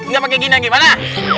gak pake gini gimana